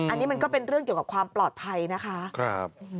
อันนี้มันก็เป็นเรื่องเกี่ยวกับความปลอดภัยนะคะ